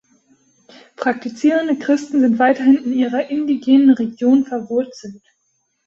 Praktizierende Christen sind weiterhin in ihrer indigenen Religion verwurzelt.